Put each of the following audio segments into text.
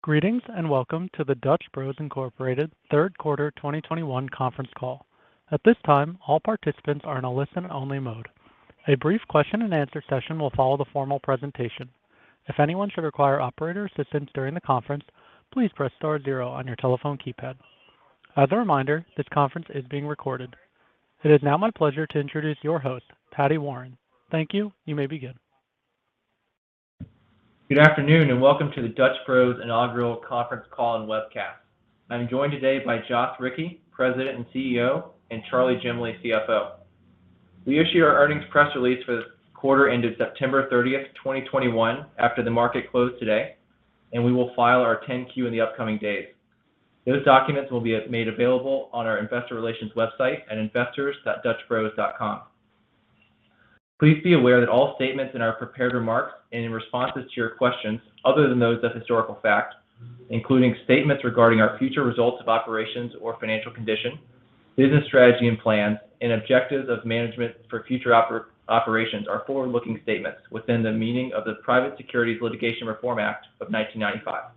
Greetings and welcome to the Dutch Bros Incorporated. third quarter 2021 conference call. At this time, all participants are in a listen only mode. A brief question-and-answer session will follow the formal presentation. If anyone should require operator assistance during the conference, please press star zero on your telephone keypad. As a reminder, this conference is being recorded. It is now my pleasure to introduce your host, Paddy Warren. Thank you. You may begin. Good afternoon, and welcome to the Dutch Bros inaugural conference call and webcast. I'm joined today by Joth Ricci, President and CEO, and Charley Jemley, CFO. We issue our earnings press release for the quarter ended September 30th, 2021 after the market closed today, and we will file our 10-Q in the upcoming days. Those documents will be made available on our Investor Relations website at investors.dutchbros.com. Please be aware that all statements in our prepared remarks and in responses to your questions, other than those of historical fact, including statements regarding our future results of operations or financial condition, business strategy and plans and objectives of management for future operations are forward-looking statements within the meaning of the Private Securities Litigation Reform Act of 1995.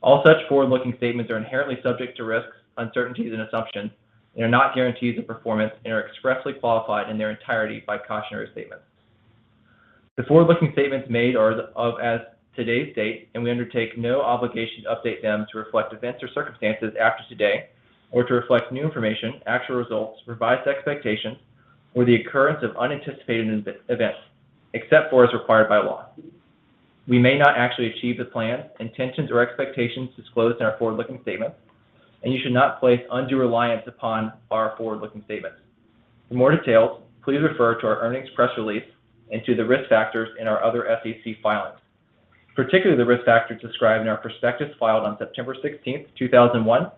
All such forward-looking statements are inherently subject to risks, uncertainties, and assumptions, and are not guarantees of performance and are expressly qualified in their entirety by cautionary statements. The forward-looking statements made are as of today's date, and we undertake no obligation to update them to reflect events or circumstances after today or to reflect new information, actual results, revised expectations or the occurrence of unanticipated events except for as required by law. We may not actually achieve the plans, intentions, or expectations disclosed in our forward-looking statements, and you should not place undue reliance upon our forward-looking statements. For more details, please refer to our earnings press release and to the risk factors in our other SEC filings, particularly the risk factors described in our prospectus filed on September 16th, 2021,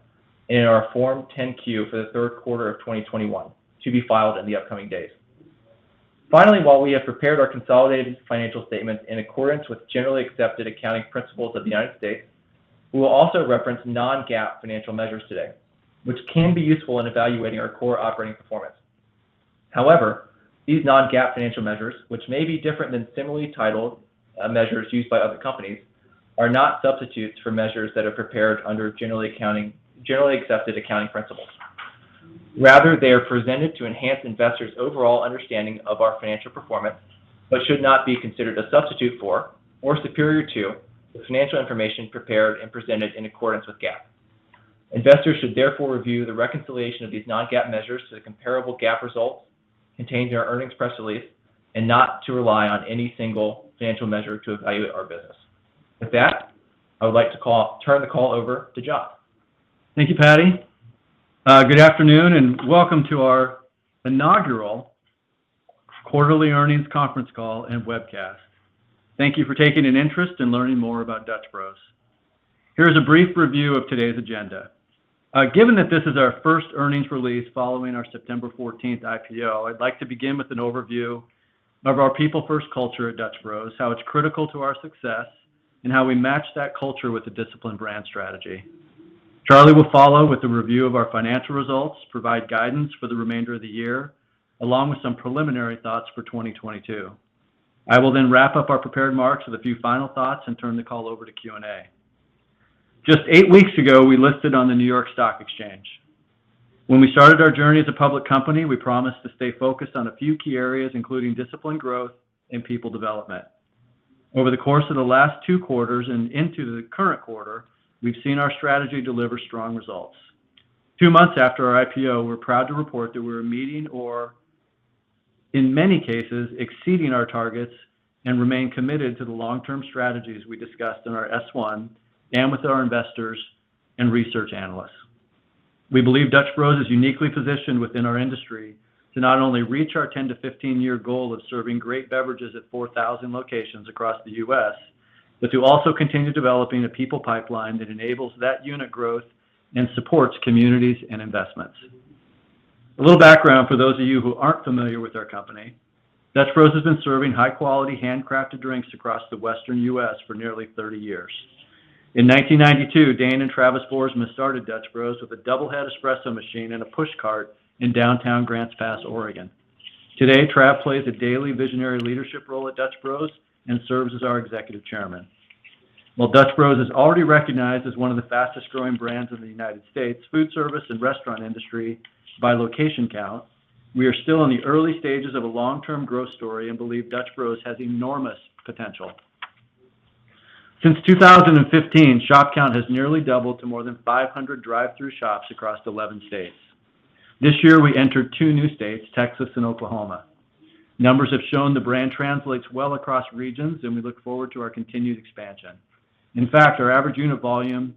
and in our Form 10-Q for the third quarter of 2021 to be filed in the upcoming days. Finally, while we have prepared our consolidated financial statements in accordance with generally accepted accounting principles of the United States, we will also reference non-GAAP financial measures today, which can be useful in evaluating our core operating performance. However, these non-GAAP financial measures, which may be different than similarly titled measures used by other companies, are not substitutes for measures that are prepared under generally accepted accounting principles. Rather, they are presented to enhance investors overall understanding of our financial performance, but should not be considered a substitute for or superior to the financial information prepared and presented in accordance with GAAP. Investors should therefore review the reconciliation of these non-GAAP measures to the comparable GAAP results contained in our earnings press release, and not to rely on any single financial measure to evaluate our business. With that, I would like to turn the call over to Joth. Thank you, Paddy. Good afternoon, and welcome to our inaugural quarterly earnings conference call and webcast. Thank you for taking an interest in learning more about Dutch Bros. Here is a brief review of today's agenda. Given that this is our first earnings release following our September 14th IPO, I'd like to begin with an overview of our people first culture at Dutch Bros, how it's critical to our success, and how we match that culture with a disciplined brand strategy. Charley will follow with a review of our financial results, provide guidance for the remainder of the year, along with some preliminary thoughts for 2022. I will then wrap up our prepared remarks with a few final thoughts and turn the call over to Q&A. Just eight weeks ago, we listed on the New York Stock Exchange. When we started our journey as a public company, we promised to stay focused on a few key areas, including disciplined growth and people development. Over the course of the last two quarters and into the current quarter, we've seen our strategy deliver strong results. Two months after our IPO, we're proud to report that we are meeting or in many cases exceeding our targets and remain committed to the long term strategies we discussed in our S-1 and with our investors and research analysts. We believe Dutch Bros is uniquely positioned within our industry to not only reach our 10-15 year goal of serving great beverages at 4,000 locations across the U.S., but to also continue developing a people pipeline that enables that unit growth and supports communities and investments. A little background for those of you who aren't familiar with our company. Dutch Bros has been serving high quality, handcrafted drinks across the western U.S. for nearly 30 years. In 1992, Dane and Travis Boersma started Dutch Bros with a double head espresso machine and a push cart in downtown Grants Pass, Oregon. Today, Trav plays a daily visionary leadership role at Dutch Bros and serves as our Executive Chairman. While Dutch Bros is already recognized as one of the fastest growing brands in the United States food service and restaurant industry by location count, we are still in the early stages of a long-term growth story and believe Dutch Bros has enormous potential. Since 2015, shop count has nearly doubled to more than 500 drive-thru shops across 11 states. This year we entered two new states, Texas and Oklahoma. Numbers have shown the brand translates well across regions and we look forward to our continued expansion. In fact, our average unit volume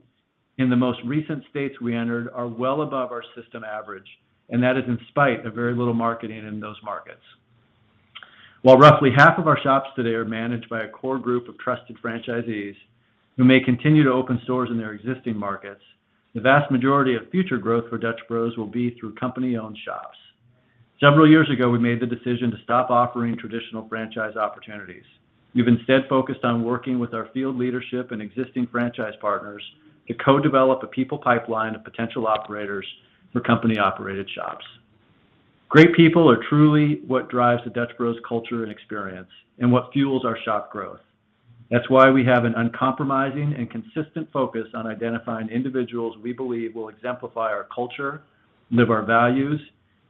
in the most recent states we entered are well above our system average, and that is in spite of very little marketing in those markets. While roughly half of our shops today are managed by a core group of trusted franchisees who may continue to open stores in their existing markets, the vast majority of future growth for Dutch Bros will be through company owned shops. Several years ago, we made the decision to stop offering traditional franchise opportunities. We've instead focused on working with our field leadership and existing franchise partners to co-develop a people pipeline of potential operators for company operated shops. Great people are truly what drives the Dutch Bros culture and experience, and what fuels our shop growth. That's why we have an uncompromising and consistent focus on identifying individuals we believe will exemplify our culture, live our values,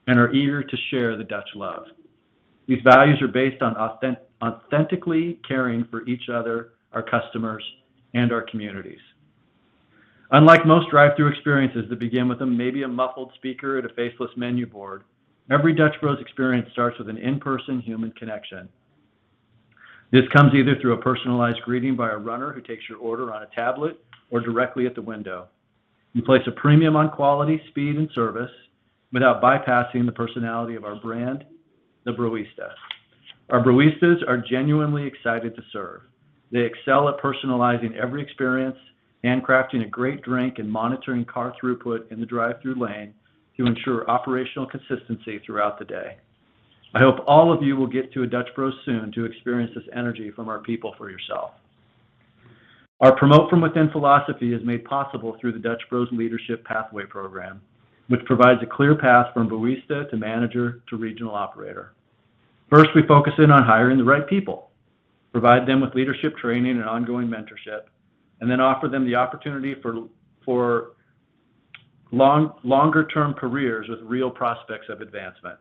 and are eager to share the Dutch love. These values are based on authentically caring for each other, our customers, and our communities. Unlike most drive-thru experiences that begin with maybe a muffled speaker at a faceless menu board, every Dutch Bros experience starts with an in-person human connection. This comes either through a personalized greeting by a runner who takes your order on a tablet or directly at the window. You place a premium on quality, speed, and service without bypassing the personality of our brand, the Broista. Our Broistas are genuinely excited to serve. They excel at personalizing every experience, handcrafting a great drink, and monitoring car throughput in the drive-thru lane to ensure operational consistency throughout the day. I hope all of you will get to a Dutch Bros soon to experience this energy from our people for yourself. Our promote from within philosophy is made possible through the Dutch Bros Leadership Pathway Program, which provides a clear path from Broista to manager to regional operator. First, we focus in on hiring the right people, provide them with leadership training and ongoing mentorship, and then offer them the opportunity for longer term careers with real prospects of advancement.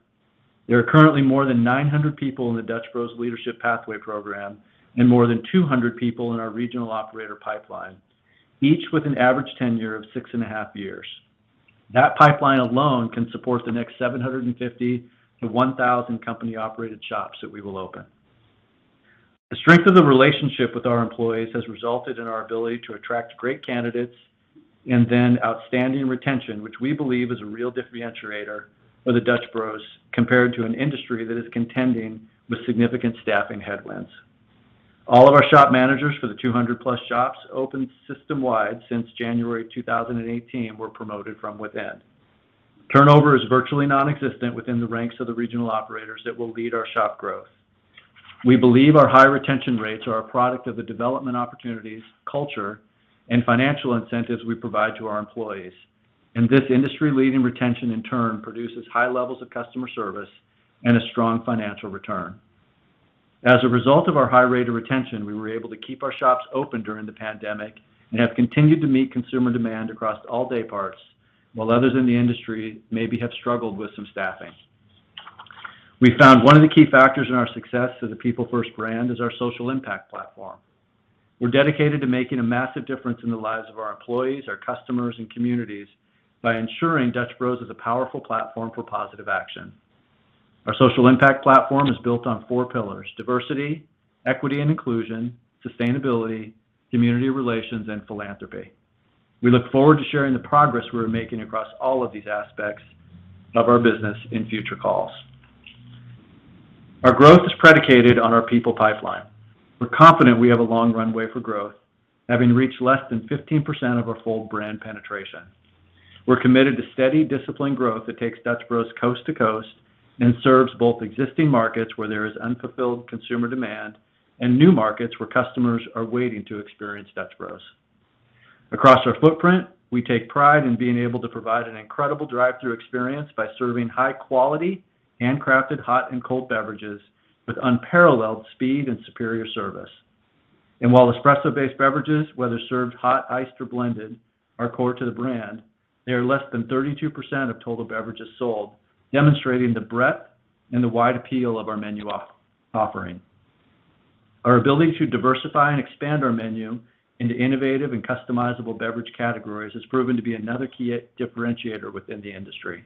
There are currently more than 900 people in the Dutch Bros Leadership Pathway Program and more than 200 people in our regional operator pipeline, each with an average tenure of 6.5 years. That pipeline alone can support the next 750-1,000 company operated shops that we will open. The strength of the relationship with our employees has resulted in our ability to attract great candidates and then outstanding retention, which we believe is a real differentiator for the Dutch Bros compared to an industry that is contending with significant staffing headwinds. All of our shop managers for the 200+ shops opened system-wide since January 2018 were promoted from within. Turnover is virtually nonexistent within the ranks of the regional operators that will lead our shop growth. We believe our high retention rates are a product of the development opportunities, culture, and financial incentives we provide to our employees. This industry-leading retention, in turn, produces high levels of customer service and a strong financial return. As a result of our high rate of retention, we were able to keep our shops open during the pandemic and have continued to meet consumer demand across all day parts, while others in the industry maybe have struggled with some staffing. We found one of the key factors in our success as a people first brand is our social impact platform. We're dedicated to making a massive difference in the lives of our employees, our customers, and communities by ensuring Dutch Bros is a powerful platform for positive action. Our social impact platform is built on four pillars, diversity, equity and inclusion, sustainability, community relations and philanthropy. We look forward to sharing the progress we're making across all of these aspects of our business in future calls. Our growth is predicated on our people pipeline. We're confident we have a long runway for growth, having reached less than 15% of our full brand penetration. We're committed to steady, disciplined growth that takes Dutch Bros coast-to-coast and serves both existing markets where there is unfulfilled consumer demand and new markets where customers are waiting to experience Dutch Bros. Across our footprint, we take pride in being able to provide an incredible drive-thru experience by serving high quality handcrafted hot and cold beverages with unparalleled speed and superior service. While espresso based beverages, whether served hot, iced or blended, are core to the brand, they are less than 32% of total beverages sold, demonstrating the breadth and the wide appeal of our menu offering. Our ability to diversify and expand our menu into innovative and customizable beverage categories has proven to be another key differentiator within the industry.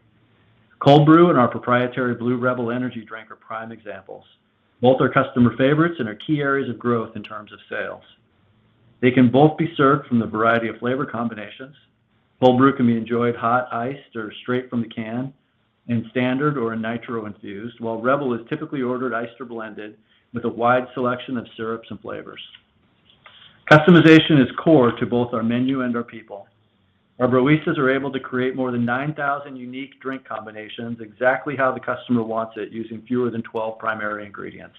Cold brew and our proprietary Blue Rebel energy drink are prime examples. Both are customer favorites and are key areas of growth in terms of sales. They can both be served from the variety of flavor combinations. Cold brew can be enjoyed hot, iced or straight from the can in standard or in nitro infused, while Rebel is typically ordered iced or blended with a wide selection of syrups and flavors. Customization is core to both our menu and our people. Our Broistas are able to create more than 9,000 unique drink combinations exactly how the customer wants it, using fewer than 12 primary ingredients,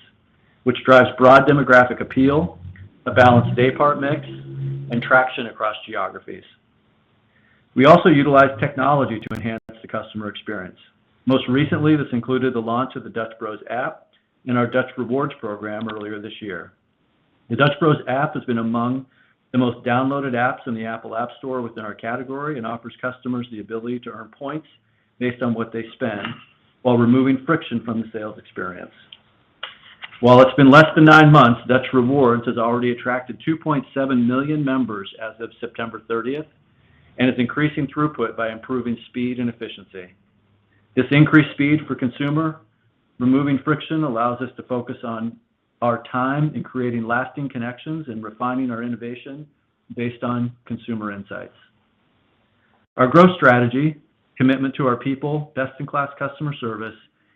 which drives broad demographic appeal, a balanced day part mix, and traction across geographies. We also utilize technology to enhance the customer experience. Most recently, this included the launch of the Dutch Bros App and our Dutch Rewards program earlier this year. The Dutch Bros App has been among the most downloaded apps in the Apple App Store within our category, and offers customers the ability to earn points based on what they spend while removing friction from the sales experience. While it's been less than nine months, Dutch Rewards has already attracted 2.7 million members as of September 30th and is increasing throughput by improving speed and efficiency. This increased speed for consumer removing friction allows us to focus on our time in creating lasting connections and refining our innovation based on consumer insights. Our growth strategy, commitment to our people, best in class customer service,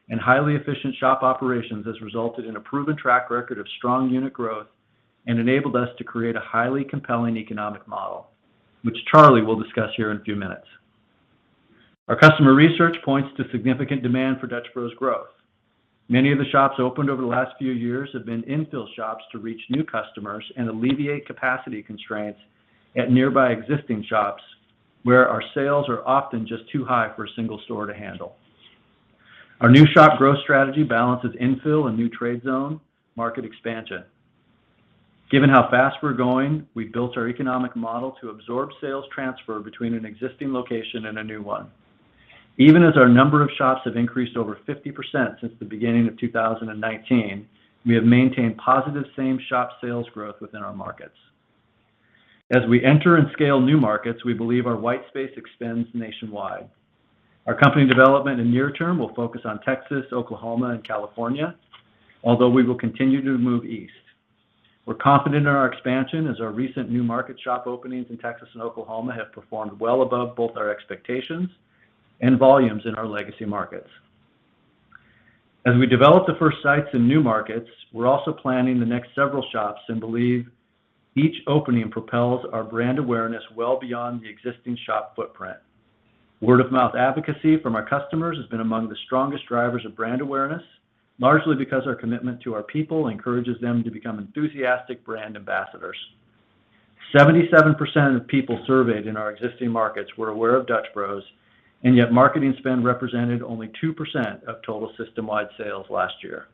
and highly efficient shop operations has resulted in a proven track record of strong unit growth and enabled us to create a highly compelling economic model, which Charley will discuss here in a few minutes. Our customer research points to significant demand for Dutch Bros growth. Many of the shops opened over the last few years have been infill shops to reach new customers and alleviate capacity constraints at nearby existing shops, where our sales are often just too high for a single store to handle. Our new shop growth strategy balances infill and new trade zone market expansion. Given how fast we're going, we've built our economic model to absorb sales transfer between an existing location and a new one. Even as our number of shops have increased over 50% since the beginning of 2019, we have maintained positive same shop sales growth within our markets. As we enter and scale new markets, we believe our white space expands nationwide. Our company development in near-term will focus on Texas, Oklahoma and California, although we will continue to move east. We're confident in our expansion as our recent new market shop openings in Texas and Oklahoma have performed well above both our expectations and volumes in our legacy markets. As we develop the first sites in new markets, we're also planning the next several shops and believe each opening propels our brand awareness well beyond the existing shop footprint. Word of mouth advocacy from our customers has been among the strongest drivers of brand awareness, largely because our commitment to our people encourages them to become enthusiastic brand ambassadors. 77% of people surveyed in our existing markets were aware of Dutch Bros, and yet marketing spend represented only 2% of total system-wide sales last year.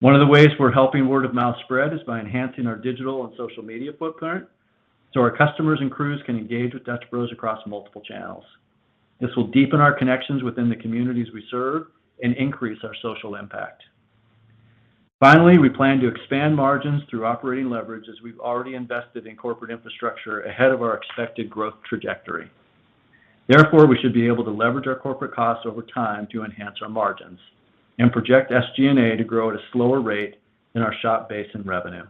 One of the ways we're helping word of mouth spread is by enhancing our digital and social media footprint, so our customers and crews can engage with Dutch Bros across multiple channels. This will deepen our connections within the communities we serve and increase our social impact. Finally, we plan to expand margins through operating leverage as we've already invested in corporate infrastructure ahead of our expected growth trajectory. Therefore, we should be able to leverage our corporate costs over time to enhance our margins and project SG&A to grow at a slower rate than our shop base and revenue.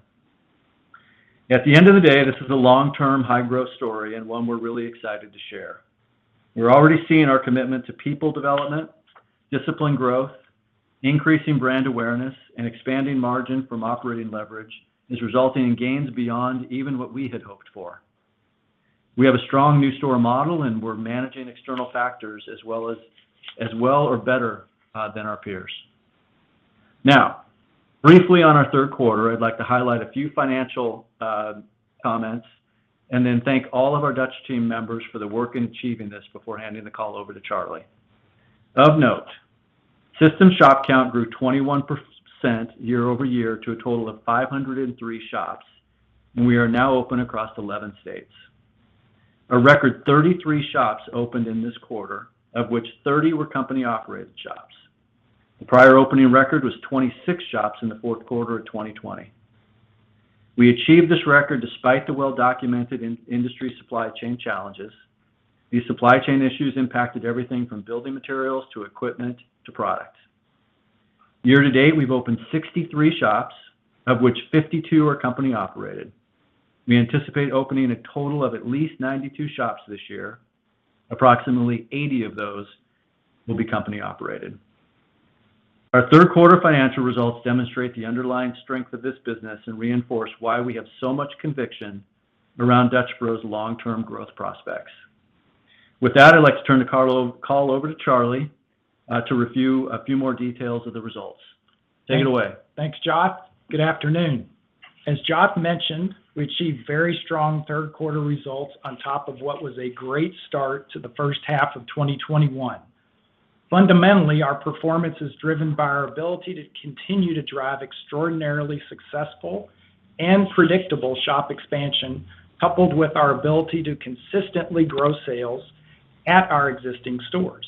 At the end of the day, this is a long-term high-growth story and one we're really excited to share. We're already seeing our commitment to people development, disciplined growth, increasing brand awareness, and expanding margin from operating leverage is resulting in gains beyond even what we had hoped for. We have a strong new store model, and we're managing external factors as well as or better than our peers. Now, briefly on our third quarter, I'd like to highlight a few financial comments and then thank all of our Dutch team members for the work in achieving this before handing the call over to Charley. Of note, system shop count grew 21% year-over-year to a total of 503 shops, and we are now open across 11 states. A record 33 shops opened in this quarter, of which 30 were company-operated shops. The prior opening record was 26 shops in the fourth quarter of 2020. We achieved this record despite the well-documented in-industry supply chain challenges. These supply chain issues impacted everything from building materials to equipment to product. Year-to-date, we've opened 63 shops, of which 52 are company operated. We anticipate opening a total of at least 92 shops this year. Approximately 80 of those will be company operated. Our third quarter financial results demonstrate the underlying strength of this business and reinforce why we have so much conviction around Dutch Bros' long-term growth prospects. With that, I'd like to turn the call over to Charley to review a few more details of the results. Take it away. Thanks, Joth. Good afternoon. As Joth mentioned, we achieved very strong third quarter results on top of what was a great start to the first half of 2021. Fundamentally, our performance is driven by our ability to continue to drive extraordinarily successful and predictable shop expansion, coupled with our ability to consistently grow sales at our existing stores,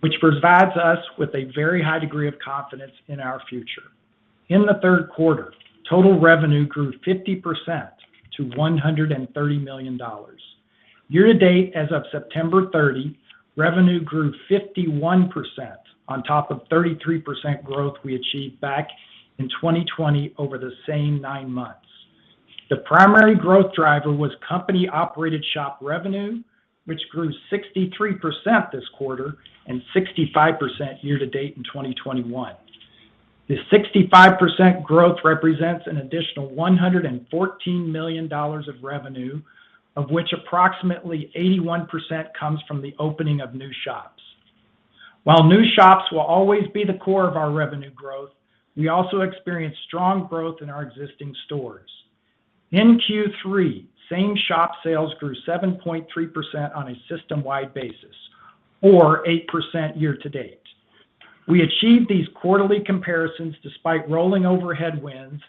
which provides us with a very high degree of confidence in our future. In the third quarter, total revenue grew 50% to $130 million. Year-to-date, as of September 30, revenue grew 51% on top of 33% growth we achieved back in 2020 over the same nine months. The primary growth driver was company-operated shop revenue, which grew 63% this quarter and 65% year to date in 2021. The 65% growth represents an additional $114 million of revenue, of which approximately 81% comes from the opening of new shops. While new shops will always be the core of our revenue growth, we also experienced strong growth in our existing stores. In Q3, same shop sales grew 7.3% on a system-wide basis, or 8% year-to-date. We achieved these quarterly comparisons despite rolling overhead winds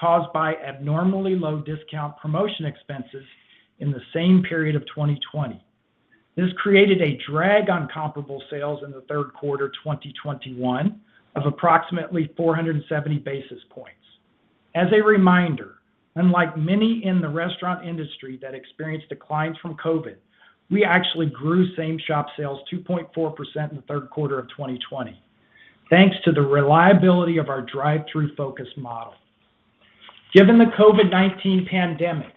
caused by abnormally low discount promotion expenses in the same period of 2020. This created a drag on comparable sales in the third quarter 2021 of approximately 470 basis points. As a reminder, unlike many in the restaurant industry that experienced declines from COVID, we actually grew same shop sales 2.4% in the third quarter of 2020, thanks to the reliability of our drive-through focus model. Given the COVID-19 pandemic,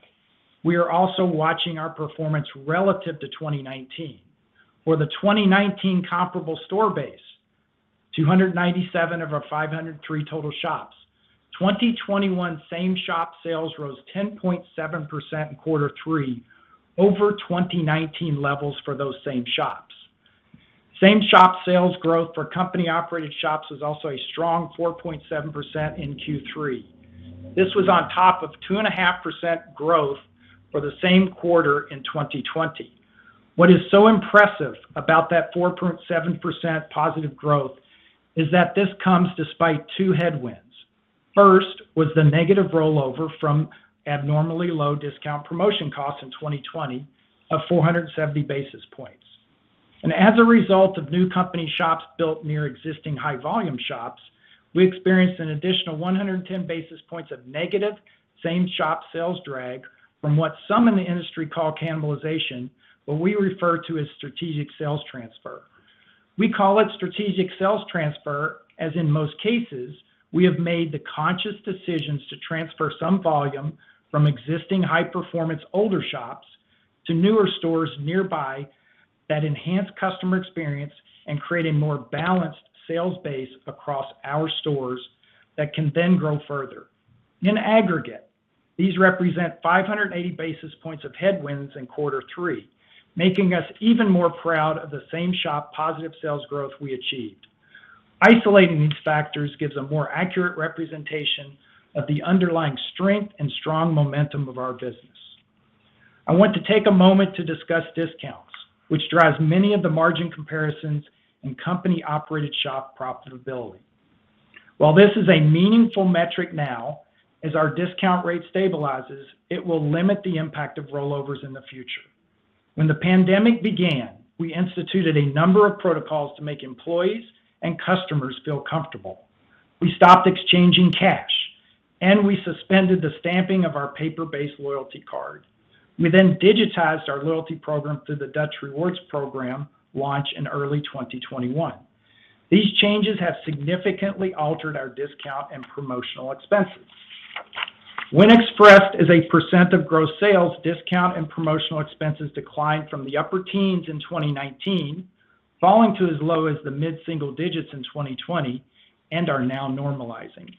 we are also watching our performance relative to 2019, where the 2019 comparable store base, 297 of our 503 total shops. 2021 same shop sales rose 10.7% in quarter three over 2019 levels for those same shops. Same shop sales growth for company-operated shops was also a strong 4.7% in Q3. This was on top of 2.5% growth for the same quarter in 2020. What is so impressive about that 4.7% positive growth is that this comes despite two headwinds. First was the negative rollover from abnormally low discount promotion costs in 2020 of 470 basis points. As a result of new company shops built near existing high volume shops, we experienced an additional 110 basis points of negative same shop sales drag from what some in the industry call cannibalization, but we refer to as strategic sales transfer. We call it strategic sales transfer, as in most cases, we have made the conscious decisions to transfer some volume from existing high-performance older shops to newer stores nearby that enhance customer experience and create a more balanced sales base across our stores that can then grow further. In aggregate, these represent 580 basis points of headwinds in quarter three, making us even more proud of the same shop positive sales growth we achieved. Isolating these factors gives a more accurate representation of the underlying strength and strong momentum of our business. I want to take a moment to discuss discounts, which drives many of the margin comparisons in company-operated shop profitability. While this is a meaningful metric now, as our discount rate stabilizes, it will limit the impact of rollovers in the future. When the pandemic began, we instituted a number of protocols to make employees and customers feel comfortable. We stopped exchanging cash, and we suspended the stamping of our paper-based loyalty card. We then digitized our loyalty program through the Dutch Rewards program, launched in early 2021. These changes have significantly altered our discount and promotional expenses. When expressed as a percent of gross sales, discount and promotional expenses declined from the upper teens in 2019, falling to as low as the mid-single digits in 2020 and are now normalizing.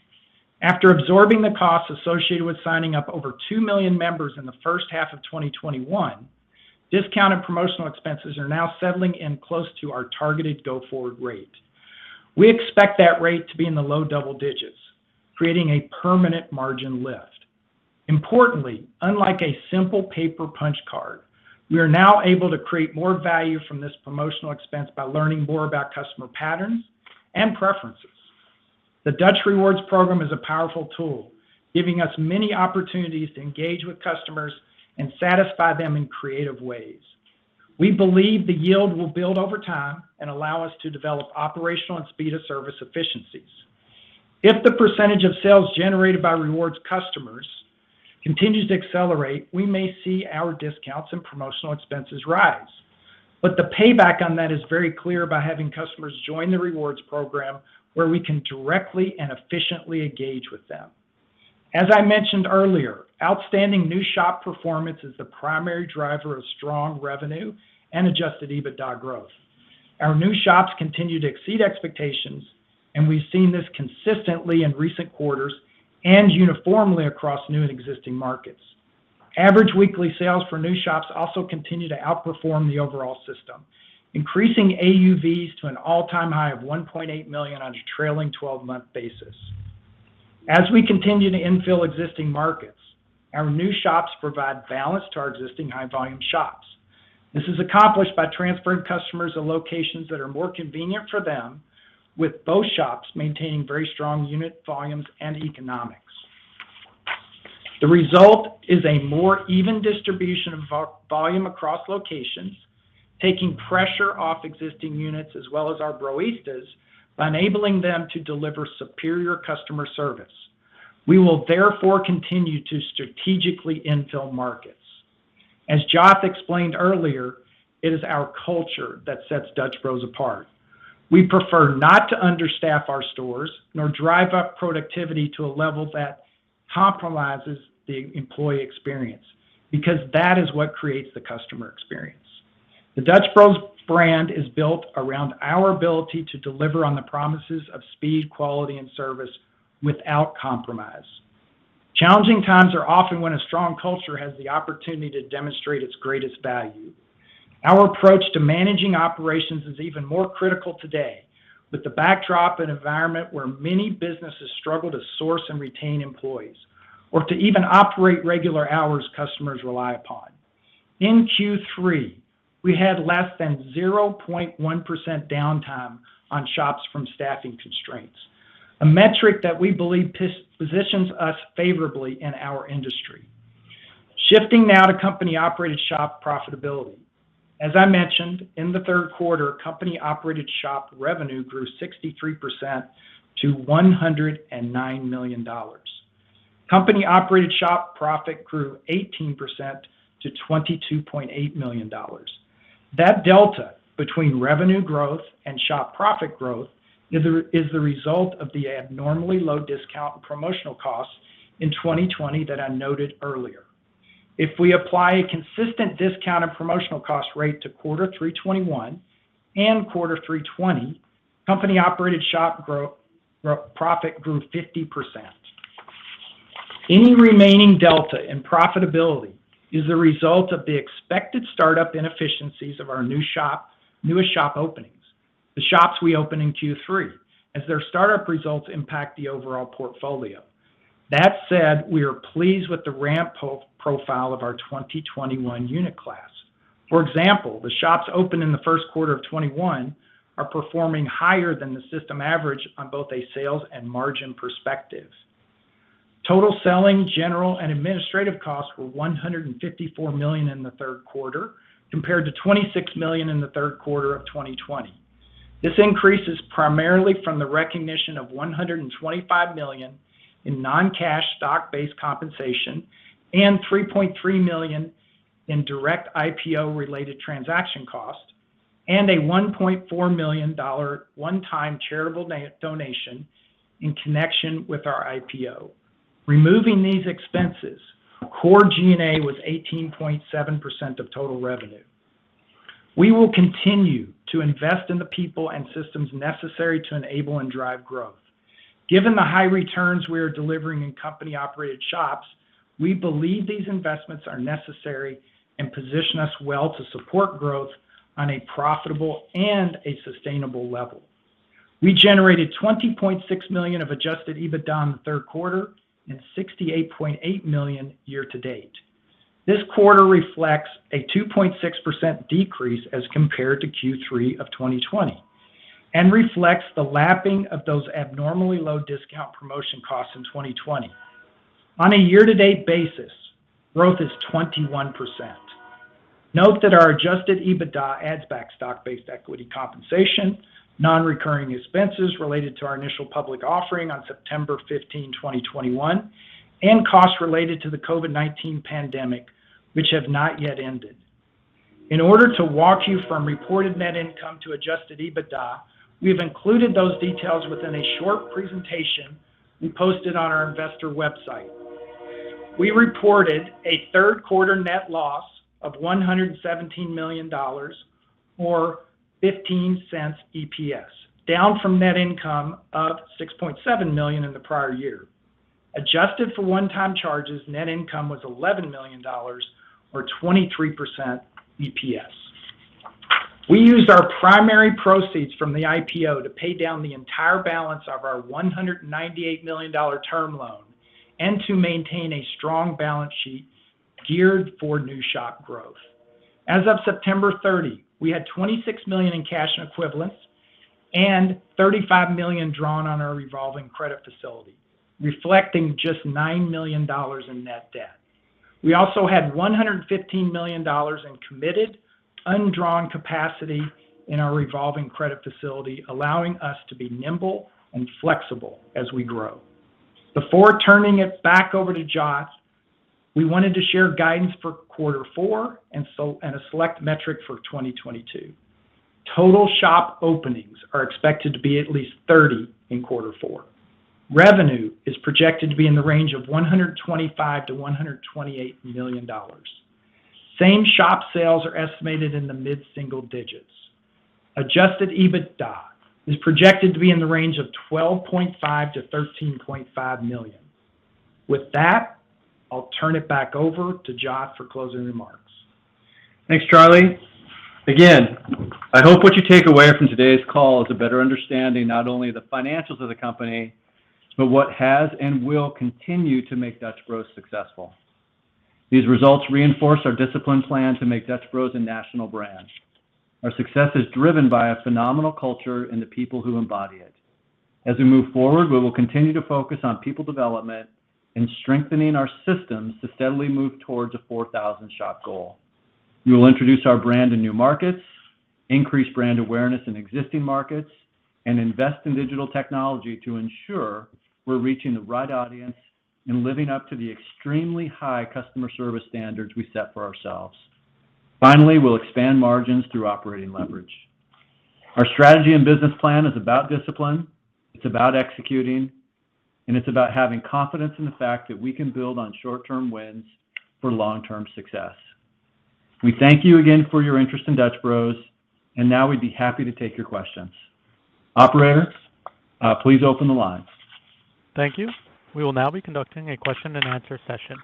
After absorbing the costs associated with signing up over 2 million members in the first half of 2021, discount and promotional expenses are now settling in close to our targeted go-forward rate. We expect that rate to be in the low double digits, creating a permanent margin lift. Importantly, unlike a simple paper punch card, we are now able to create more value from this promotional expense by learning more about customer patterns and preferences. The Dutch Rewards program is a powerful tool, giving us many opportunities to engage with customers and satisfy them in creative ways. We believe the yield will build over time and allow us to develop operational and speed of service efficiencies. If the percentage of sales generated by rewards customers continues to accelerate, we may see our discounts and promotional expenses rise. The payback on that is very clear by having customers join the rewards program where we can directly and efficiently engage with them. As I mentioned earlier, outstanding new shop performance is the primary driver of strong revenue and adjusted EBITDA growth. Our new shops continue to exceed expectations, and we've seen this consistently in recent quarters and uniformly across new and existing markets. Average weekly sales for new shops also continue to outperform the overall system, increasing AUVs to an all-time high of $1.8 million on a trailing 12-month basis. As we continue to infill existing markets, our new shops provide balance to our existing high volume shops. This is accomplished by transferring customers to locations that are more convenient for them, with both shops maintaining very strong unit volumes and economics. The result is a more even distribution of volume across locations, taking pressure off existing units as well as our Broistas, enabling them to deliver superior customer service. We will therefore continue to strategically infill markets. As Joth explained earlier, it is our culture that sets Dutch Bros apart. We prefer not to understaff our stores nor drive up productivity to a level that compromises the employee experience, because that is what creates the customer experience. The Dutch Bros brand is built around our ability to deliver on the promises of speed, quality, and service without compromise. Challenging times are often when a strong culture has the opportunity to demonstrate its greatest value. Our approach to managing operations is even more critical today, with the backdrop and environment where many businesses struggle to source and retain employees or to even operate regular hours customers rely upon. In Q3, we had less than 0.1% downtime on shops from staffing constraints, a metric that we believe positions us favorably in our industry. Shifting now to company-operated shop profitability. As I mentioned, in the third quarter, company-operated shop revenue grew 63% to $109 million. Company-operated shop profit grew 18% to $22.8 million. That delta between revenue growth and shop profit growth is the result of the abnormally low discount promotional costs in 2020 that I noted earlier. If we apply a consistent discount and promotional cost rate to quarter three 2021 and quarter three 2020, company-operated shop profit grew 50%. Any remaining delta in profitability is the result of the expected startup inefficiencies of our new shop, newest shop openings, the shops we open in Q3, as their startup results impact the overall portfolio. That said, we are pleased with the ramp profile of our 2021 unit class. For example, the shops opened in the first quarter of 2021 are performing higher than the system average on both a sales and margin perspectives. Total selling, general, and administrative costs were $154 million in the third quarter, compared to $26 million in the third quarter of 2020. This increase is primarily from the recognition of $125 million in non-cash stock-based compensation and $3.3 million in direct IPO-related transaction costs and a $1.4 million one-time charitable donation in connection with our IPO. Removing these expenses, core G&A was 18.7% of total revenue. We will continue to invest in the people and systems necessary to enable and drive growth. Given the high returns we are delivering in company-operated shops, we believe these investments are necessary and position us well to support growth on a profitable and a sustainable level. We generated $20.6 million of adjusted EBITDA in the third quarter and $68.8 million year-to-date. This quarter reflects a 2.6% decrease as compared to Q3 of 2020 and reflects the lapping of those abnormally low discount promotion costs in 2020. On a year-to-date basis, growth is 21%. Note that our adjusted EBITDA adds back stock-based equity compensation, non-recurring expenses related to our initial public offering on September 15, 2021, and costs related to the COVID-19 pandemic, which have not yet ended. In order to walk you from reported net income to Adjusted EBITDA, we have included those details within a short presentation we posted on our investor website. We reported a third quarter net loss of $117 million, or $0.15 EPS, down from net income of $6.7 million in the prior year. Adjusted for one-time charges, net income was $11 million or $0.02 EPS. We used our primary proceeds from the IPO to pay down the entire balance of our $198 million term loan and to maintain a strong balance sheet geared for new shop growth. As of September 30, we had $26 million in cash equivalents and $35 million drawn on our revolving credit facility, reflecting just $9 million in net debt. We also had $115 million in committed undrawn capacity in our revolving credit facility, allowing us to be nimble and flexible as we grow. Before turning it back over to Joth, we wanted to share guidance for quarter four, a select metric for 2022. Total shop openings are expected to be at least 30 in quarter four. Revenue is projected to be in the range of $125 million-$128 million. Same shop sales are estimated in the mid-single digits. Adjusted EBITDA is projected to be in the range of $12.5 million-$13.5 million. With that, I'll turn it back over to Joth for closing remarks. Thanks, Charley. Again, I hope what you take away from today's call is a better understanding not only of the financials of the company, but what has and will continue to make Dutch Bros successful. These results reinforce our disciplined plan to make Dutch Bros a national brand. Our success is driven by a phenomenal culture and the people who embody it. As we move forward, we will continue to focus on people development and strengthening our systems to steadily move towards a 4,000 shop goal. We will introduce our brand in new markets, increase brand awareness in existing markets, and invest in digital technology to ensure we're reaching the right audience and living up to the extremely high customer service standards we set for ourselves. Finally, we'll expand margins through operating leverage. Our strategy and business plan is about discipline, it's about executing, and it's about having confidence in the fact that we can build on short-term wins for long-term success. We thank you again for your interest in Dutch Bros, and now we'd be happy to take your questions. Operator, please open the line. Thank you. We will now be conducting a question-and-answer session.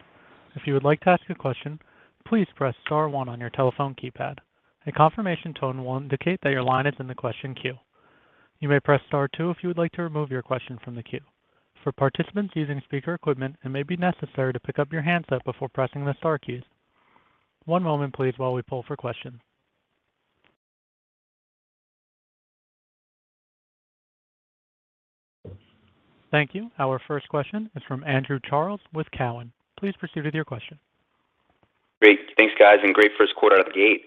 If you would like to ask a question, please press Star one on your telephone keypad. A confirmation tone will indicate that your line is in the question queue. You may press star two if you would like to remove your question from the queue. For participants using speaker equipment, it may be necessary to pick up your handset before pressing the star keys. One moment, please, while we poll for questions. Thank you. Our first question is from Andrew Charles with Cowen. Please proceed with your question. Great. Thanks, guys, and great first quarter out of the gate.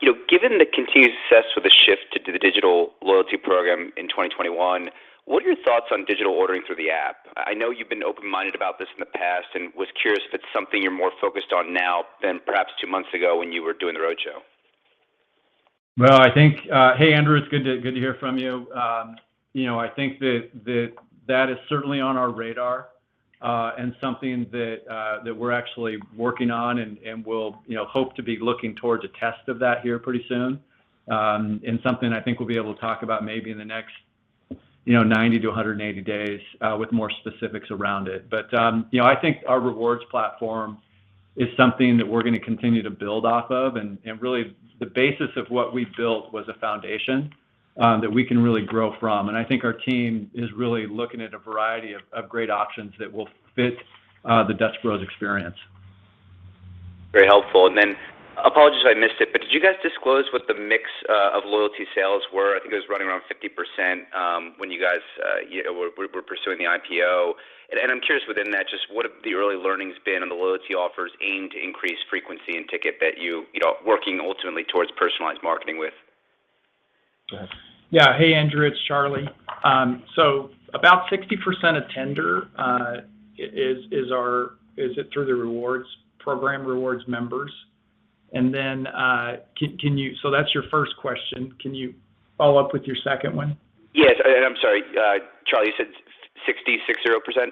You know, given the continued success with the shift to the digital loyalty program in 2021, what are your thoughts on digital ordering through the app? I know you've been open-minded about this in the past and was curious if it's something you're more focused on now than perhaps two months ago when you were doing the roadshow? Well, I think. Hey, Andrew, it's good to hear from you. You know, I think that is certainly on our radar, and something that we're actually working on and will, you know, hope to be looking towards a test of that here pretty soon. Something I think we'll be able to talk about maybe in the next, you know, 90-180 days, with more specifics around it. You know, I think our rewards platform is something that we're gonna continue to build off of and really the basis of what we built was a foundation that we can really grow from. I think our team is really looking at a variety of great options that will fit the Dutch Bros experience. Very helpful. Apologies if I missed it, but did you guys disclose what the mix of loyalty sales were? I think it was running around 50% when you guys were pursuing the IPO. I'm curious within that, just what have the early learnings been on the loyalty offers aimed to increase frequency and ticket that you working ultimately towards personalized marketing with? Go ahead. Hey, Andrew, it's Charley. About 60% of tender is through the rewards program, rewards members. That's your first question. Can you follow-up with your second one? Yes. I'm sorry, Charley, you said 60%?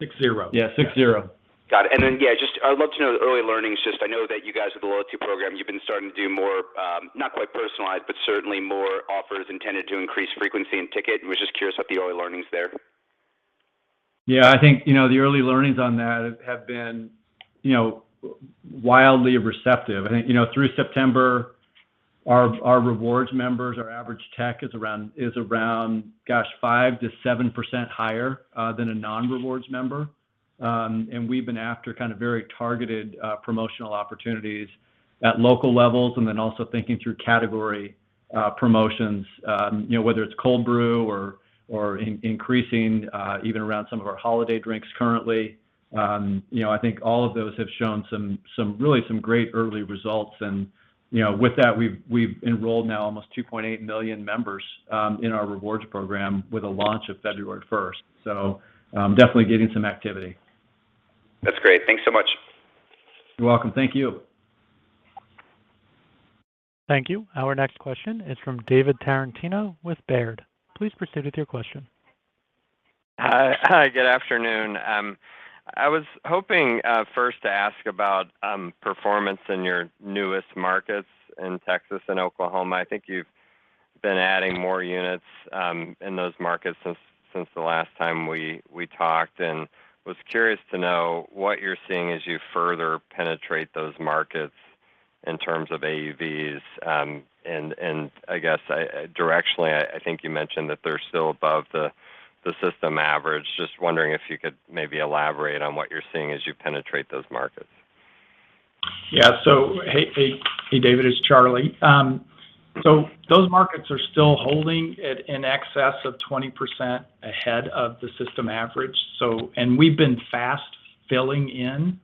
60%. Yeah, 60%. Got it. Yeah, just, I would love to know the early learnings. Just, I know that you guys with the loyalty program, you've been starting to do more, not quite personalized, but certainly more offers intended to increase frequency and ticket. I was just curious about the early learnings there. Yeah. I think, you know, the early learnings on that have been, you know, wildly receptive. I think, you know, through September, our rewards members, our average check is around, gosh, 5%-7% higher than a non-rewards member. We've been after kind of very targeted promotional opportunities at local levels and then also thinking through category promotions, you know, whether it's cold brew or increasing even around some of our holiday drinks currently. I think all of those have shown some really great early results. With that, we've enrolled now almost 2.8 million members in our rewards program with a launch of February 1st. Definitely getting some activity. That's great. Thanks so much. You're welcome. Thank you. Thank you. Our next question is from David Tarantino with Baird. Please proceed with your question. Good afternoon. I was hoping first to ask about performance in your newest markets in Texas and Oklahoma. I think you've been adding more units in those markets since the last time we talked. I was curious to know what you're seeing as you further penetrate those markets in terms of AUVs. I guess directionally I think you mentioned that they're still above the system average. Just wondering if you could maybe elaborate on what you're seeing as you penetrate those markets. Yeah, hey, David, it's Charley. Those markets are still holding at an excess of 20% ahead of the system average. We've been fast filling in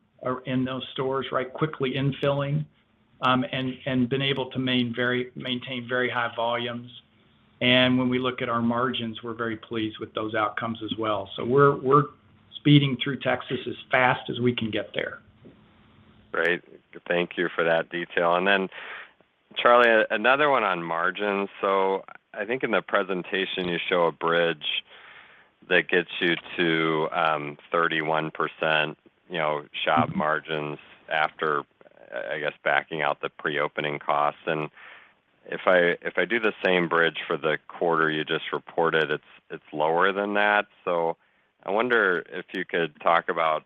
those stores, right, quickly infilling, and been able to maintain very high volumes. When we look at our margins, we're very pleased with those outcomes as well. We're speeding through Texas as fast as we can get there. Great. Thank you for that detail. Then Charley, another one on margins. I think in the presentation you show a bridge that gets you to 31%, you know, shop margins after I guess backing out the pre-opening costs. If I do the same bridge for the quarter you just reported, it's lower than that. I wonder if you could talk about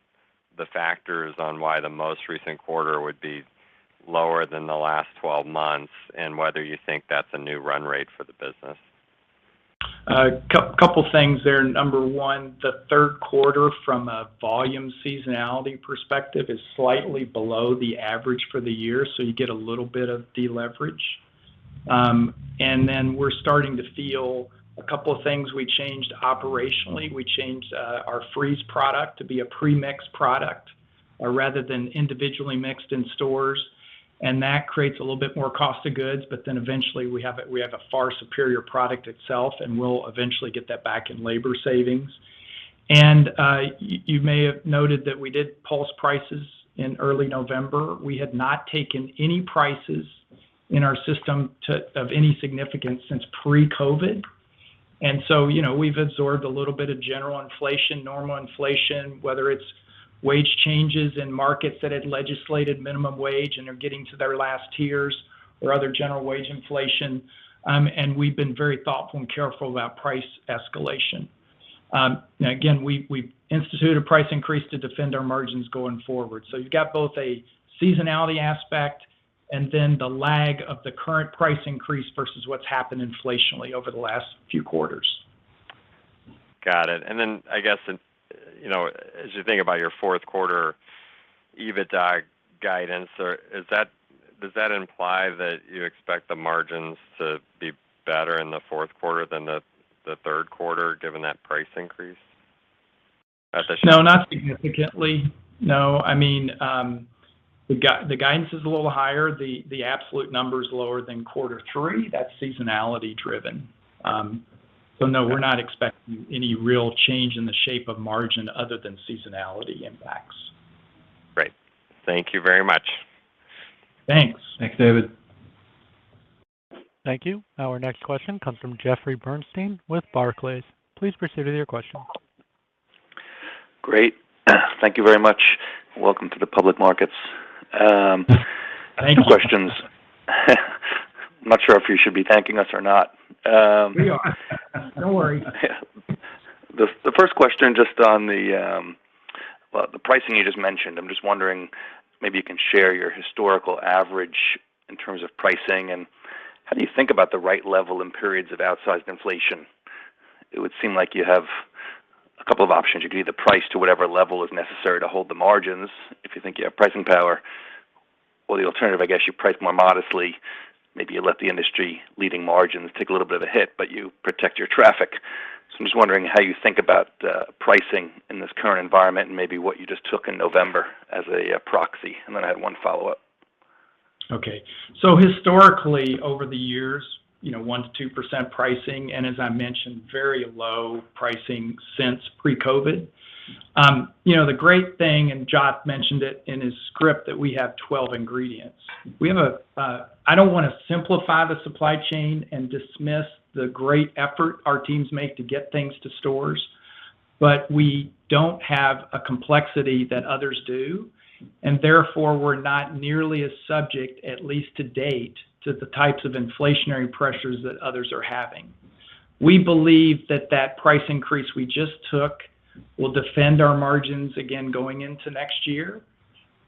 the factors on why the most recent quarter would be lower than the last 12 months, and whether you think that's a new run rate for the business. A couple things there. Number one, the third quarter from a volume seasonality perspective is slightly below the average for the year, so you get a little bit of deleverage. Then we're starting to feel a couple of things we changed operationally. We changed our freeze product to be a pre-mix product rather than individually mixed in stores, and that creates a little bit more cost of goods. Then eventually, we have a far superior product itself, and we'll eventually get that back in labor savings. You may have noted that we did pulse prices in early November. We had not taken any prices in our system of any significance since pre-COVID. you know, we've absorbed a little bit of general inflation, normal inflation, whether it's wage changes in markets that had legislated minimum wage and are getting to their last tiers or other general wage inflation. We've been very thoughtful and careful about price escalation. Again, we instituted a price increase to defend our margins going forward. You've got both a seasonality aspect and then the lag of the current price increase versus what's happened inflationally over the last few quarters. Got it. Then I guess, you know, as you think about your fourth quarter EBITDA guidance, or is that, does that imply that you expect the margins to be better in the fourth quarter than the third quarter, given that price increase? No, not significantly. No. I mean, the guidance is a little higher. The absolute number is lower than quarter three. That's seasonality driven. No, we're not expecting any real change in the shape of margin other than seasonality impacts. Great. Thank you very much. Thanks. Thanks, David. Thank you. Our next question comes from Jeffrey Bernstein with Barclays. Please proceed with your question. Great. Thank you very much. Welcome to the public markets. Thank you. Two questions. I'm not sure if you should be thanking us or not. We are. No worries. The first question just on the, well, the pricing you just mentioned. I'm just wondering if maybe you can share your historical average in terms of pricing, and how do you think about the right level in periods of outsized inflation? It would seem like you have a couple of options. You could either price to whatever level is necessary to hold the margins if you think you have pricing power. Or the alternative, I guess, you price more modestly. Maybe you let the industry leading margins take a little bit of a hit, but you protect your traffic. I'm just wondering how you think about pricing in this current environment and maybe what you just took in November as a proxy. Then I have one follow-up. Okay. Historically, over the years, you know, 1%-2% pricing, and as I mentioned, very low pricing since pre-COVID. You know, the great thing, and Joth mentioned it in his script, that we have 12 ingredients. We have a I don't wanna simplify the supply chain and dismiss the great effort our teams make to get things to stores, but we don't have a complexity that others do, and therefore, we're not nearly as subject, at least to date, to the types of inflationary pressures that others are having. We believe that that price increase we just took will defend our margins again going into next year.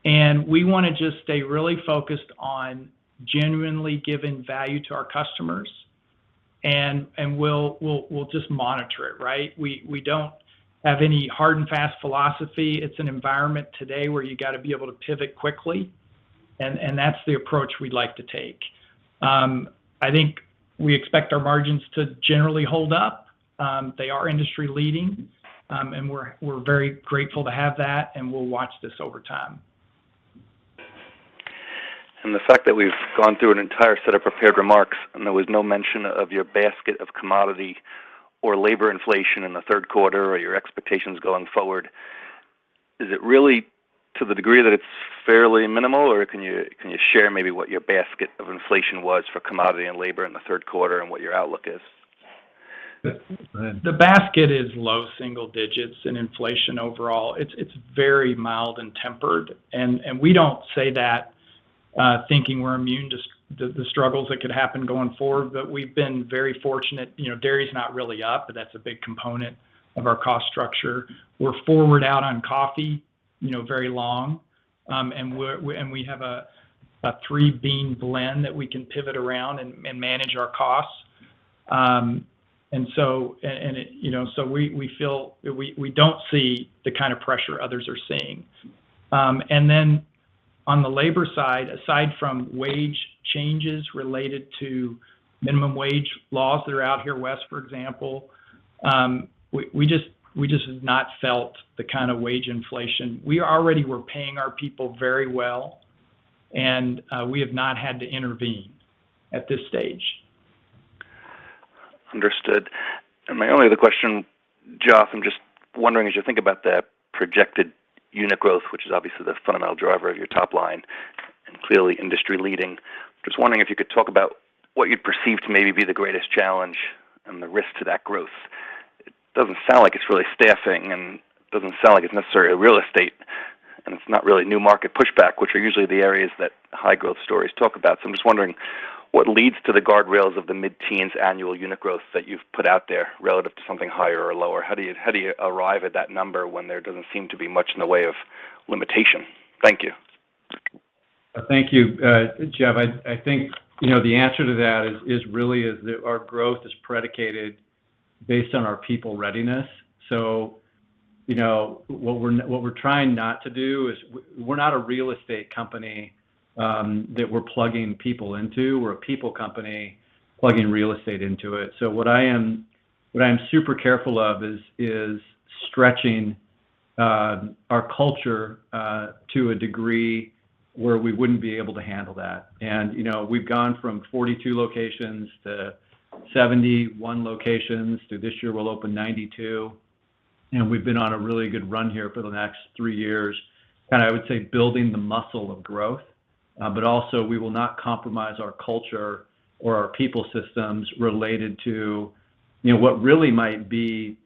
We wanna just stay really focused on genuinely giving value to our customers, and we'll just monitor it, right? We don't have any hard and fast philosophy. It's an environment today where you gotta be able to pivot quickly, and that's the approach we'd like to take. I think we expect our margins to generally hold up. They are industry-leading, and we're very grateful to have that, and we'll watch this over time. The fact that we've gone through an entire set of prepared remarks, and there was no mention of your basket of commodity or labor inflation in the third quarter or your expectations going forward, is it really to the degree that it's fairly minimal, or can you share maybe what your basket of inflation was for commodity and labor in the third quarter and what your outlook is? The basket is low single digits in inflation overall. It's very mild and tempered. We don't say that thinking we're immune to the struggles that could happen going forward, but we've been very fortunate. You know, dairy's not really up, but that's a big component of our cost structure. We're forward out on coffee, you know, very long. We have a three-bean blend that we can pivot around and manage our costs. It you know we don't see the kind of pressure others are seeing. On the labor side, aside from wage changes related to minimum wage laws that are out here west, for example, we just have not felt the kind of wage inflation. We already were paying our people very well and we have not had to intervene at this stage. Understood. My only other question, Joth, I'm just wondering, as you think about the projected unit growth, which is obviously the fundamental driver of your top line and clearly industry leading, just wondering if you could talk about what you'd perceive to maybe be the greatest challenge and the risk to that growth. It doesn't sound like it's really staffing, and it doesn't sound like it's necessarily real estate, and it's not really new market pushback, which are usually the areas that high growth stories talk about. I'm just wondering what leads to the guardrails of the mid-teens annual unit growth that you've put out there relative to something higher or lower. How do you arrive at that number when there doesn't seem to be much in the way of limitation? Thank you. Thank you, Jeff. I think, you know, the answer to that is really that our growth is predicated based on our people readiness. You know, what we're trying not to do is we're not a real estate company that we're plugging people into. We're a people company plugging real estate into it. So what I am super careful of is stretching our culture to a degree where we wouldn't be able to handle that. You know, we've gone from 42 locations to 71 locations, to this year we'll open 92. You know, we've been on a really good run here for the next three years, I would say building the muscle of growth. Also we will not compromise our culture or our people systems related to, you know, what really might be,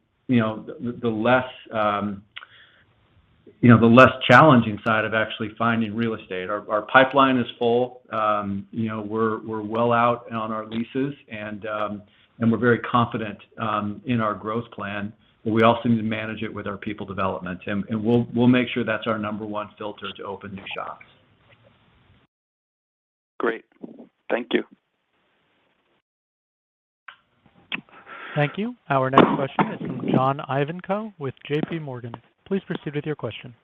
you know, the less challenging side of actually finding real estate. Our pipeline is full. You know, we're well out on our leases and we're very confident in our growth plan, but we also need to manage it with our people development. We'll make sure that's our number one filter to open new shops. Great. Thank you. Thank you. Our next question is from John Ivankoe with JPMorgan. Please proceed with your question.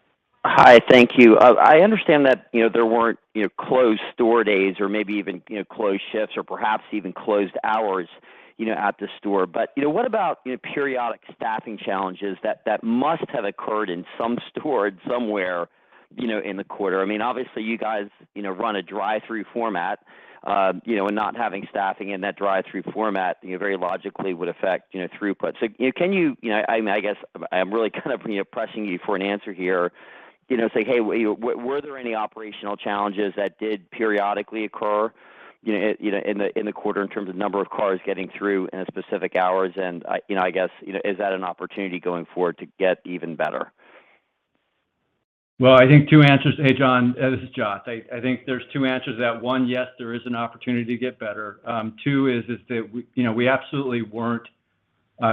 Hi. Thank you. I understand that, you know, there weren't, you know, closed store days or maybe even, you know, closed shifts or perhaps even closed hours, you know, at the store. You know, what about, you know, periodic staffing challenges that must have occurred in some stores somewhere, you know, in the quarter? I mean, obviously you guys, you know, run a drive-through format, you know, and not having staffing in that drive-through format, you know, very logically would affect, you know, throughput. You know, can you. You know, I mean, I guess I'm really kind of, you know, pressing you for an answer here. You know, say, hey, were there any operational challenges that did periodically occur, you know, in the quarter in terms of number of cars getting through in a specific hours? You know, I guess, you know, is that an opportunity going forward to get even better? Well, I think two answers. Hey, John, this is Joth. I think there's two answers to that. One, yes, there is an opportunity to get better. Two is that we, you know, we absolutely weren't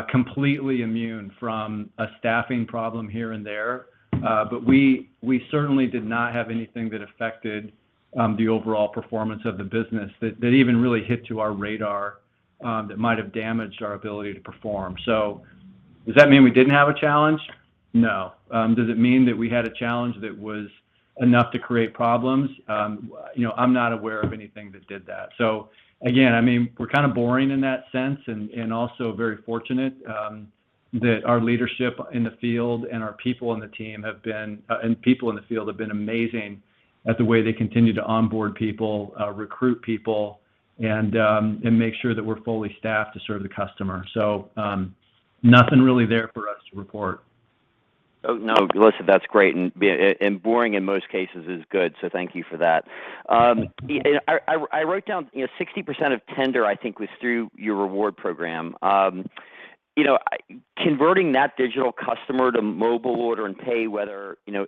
completely immune from a staffing problem here and there. But we certainly did not have anything that affected the overall performance of the business that even really hit our radar that might have damaged our ability to perform. Does that mean we didn't have a challenge? No. Does it mean that we had a challenge that was enough to create problems? You know, I'm not aware of anything that did that. Again, I mean, we're kind of boring in that sense and also very fortunate that our leadership in the field and our people on the team have been... People in the field have been amazing at the way they continue to onboard people, recruit people, and make sure that we're fully staffed to serve the customer. Nothing really there for us to report. Oh, no. Listen, that's great. Boring in most cases is good, so thank you for that. I wrote down, you know, 60% of tender, I think, was through your reward program. You know, converting that digital customer to mobile order and pay, whether, you know,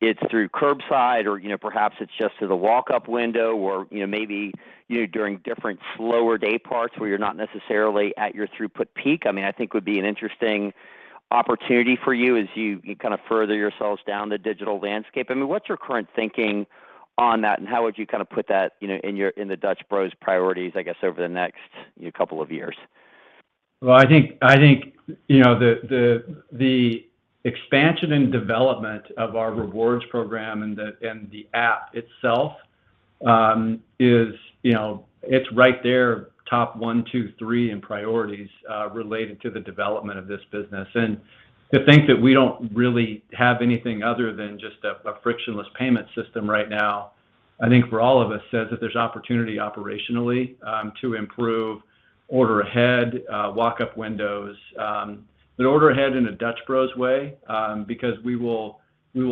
it's through curbside or, you know, perhaps it's just to the walk-up window or, you know, maybe, you know, during different slower day parts where you're not necessarily at your throughput peak, I mean, I think would be an interesting opportunity for you as you kind of further yourselves down the digital landscape. I mean, what's your current thinking on that, and how would you kind of put that, you know, in the Dutch Bros priorities, I guess, over the next couple of years? Well, I think, you know, the expansion and development of our rewards program and the app itself, is, you know, it's right there, top one, two, three in priorities, related to the development of this business. To think that we don't really have anything other than just a frictionless payment system right now, I think for all of us says that there's opportunity operationally, to improve order ahead, walk-up windows. Order ahead in a Dutch Bros way, because we will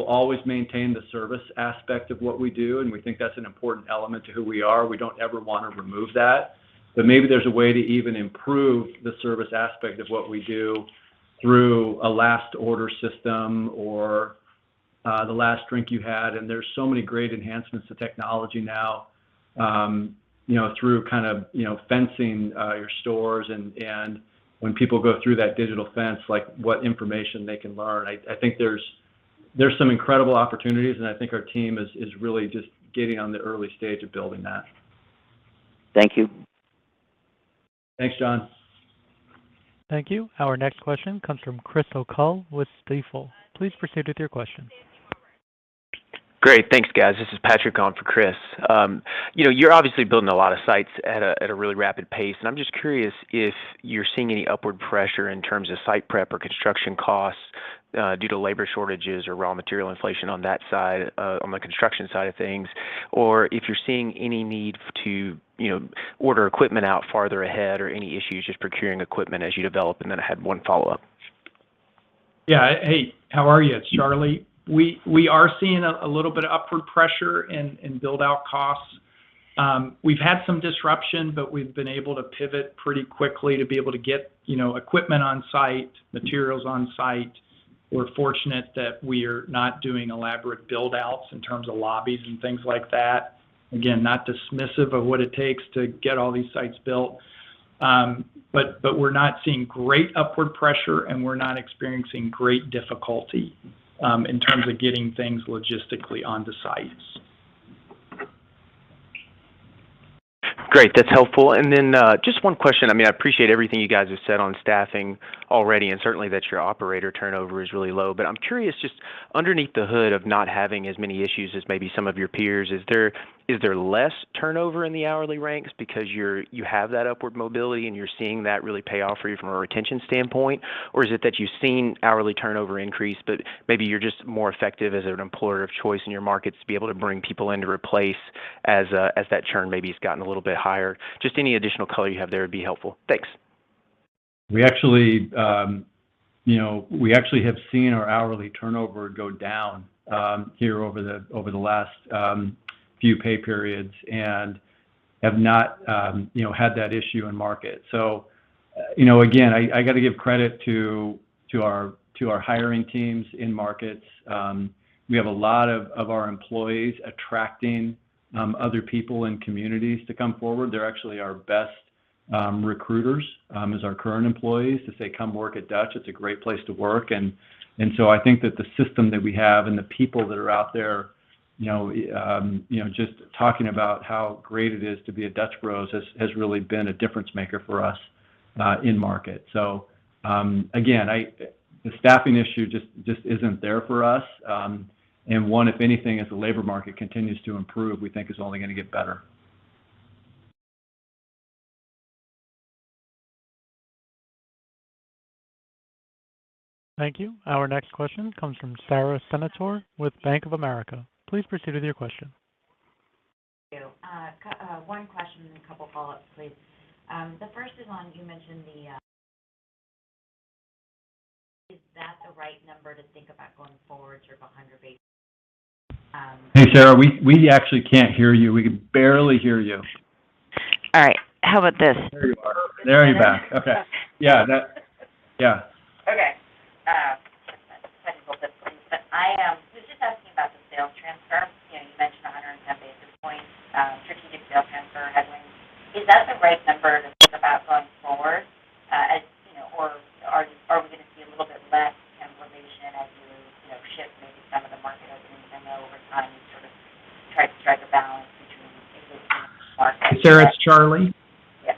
always maintain the service aspect of what we do, and we think that's an important element to who we are. We don't ever wanna remove that. Maybe there's a way to even improve the service aspect of what we do through a last order system or, the last drink you had. There's so many great enhancements to technology now, you know, through kind of, you know, fencing your stores and when people go through that digital fence, like what information they can learn. I think there's some incredible opportunities, and I think our team is really just getting on the early stage of building that. Thank you. Thanks, John. Thank you. Our next question comes from Chris O'Cull with Stifel. Please proceed with your question. Great. Thanks, guys. This is Patrick on for Chris. You know, you're obviously building a lot of sites at a really rapid pace, and I'm just curious if you're seeing any upward pressure in terms of site prep or construction costs, due to labor shortages or raw material inflation on that side, on the construction side of things, or if you're seeing any need to, you know, order equipment out farther ahead or any issues just procuring equipment as you develop, and then I had one follow-up. Yeah. Hey, how are you? It's Charley. We are seeing a little bit of upward pressure in build-out costs. We've had some disruption, but we've been able to pivot pretty quickly to be able to get, you know, equipment on site, materials on site. We're fortunate that we're not doing elaborate build-outs in terms of lobbies and things like that. Again, not dismissive of what it takes to get all these sites built, but we're not seeing great upward pressure, and we're not experiencing great difficulty in terms of getting things logistically on the sites. Great. That's helpful. Just one question. I mean, I appreciate everything you guys have said on staffing already, and certainly that your operator turnover is really low. I'm curious, just underneath the hood of not having as many issues as maybe some of your peers, is there less turnover in the hourly ranks because you have that upward mobility, and you're seeing that really pay off for you from a retention standpoint? Or is it that you've seen hourly turnover increase, but maybe you're just more effective as an employer of choice in your markets to be able to bring people in to replace as that churn maybe has gotten a little bit higher? Just any additional color you have there would be helpful. Thanks. We actually have seen our hourly turnover go down here over the last few pay periods and have not you know had that issue in market. You know again I got to give credit to our hiring teams in markets. We have a lot of our employees attracting other people and communities to come forward. They're actually our best recruiters is our current employees to say, Come work at Dutch. It's a great place to work. I think that the system that we have and the people that are out there you know just talking about how great it is to be at Dutch Bros has really been a difference maker for us in market. Again, the staffing issue just isn't there for us. One, if anything, as the labor market continues to improve, we think is only gonna get better. Thank you. Our next question comes from Sara Senatore with Bank of America. Please proceed with your question. Thank you. One question and a couple follow-ups, please. The first is on the one you mentioned. Is that the right number to think about going forward, sort of 100 basis, Hey, Sara, we actually can't hear you. We can barely hear you. All right. How about this? There you are. There, you're back. Okay. Yeah, that. Yeah. Okay. Technical difficulties. I was just asking about the sales transfer. You know, you mentioned 110 basis points, strategic sales transfer headwinds. Is that the right number to think about going forward? You know, or are we gonna see a little bit less inflation as you know shift maybe some of the market opening even though over time you sort of try to strike a balance between existing markets and Sara, it's Charley. Yes.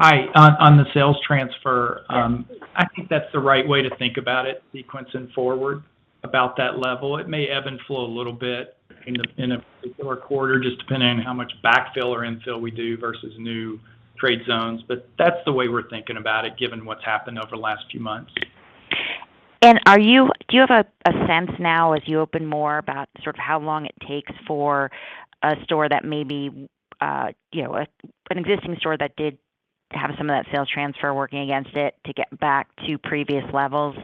Hi. On the sales transfer. Yes I think that's the right way to think about it, sequencing forward about that level. It may ebb and flow a little bit in a particular quarter just depending on how much backfill or infill we do versus new trade zones. That's the way we're thinking about it, given what's happened over the last few months. Do you have a sense now as you open more about sort of how long it takes for a store that may be, you know, an existing store that did have some of that sales transfer working against it to get back to previous levels,